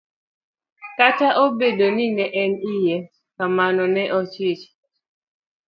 Kataobedo ni ne en iye kamano, ne ochich.